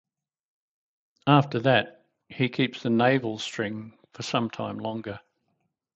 After that, he keeps the navel-string for some time longer.